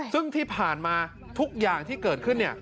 ซึ่งที่ผ่านมาทุกอย่างที่เกิดขึ้น